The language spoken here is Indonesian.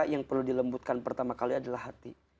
yang perlu dilembutkan pertama kali adalah hati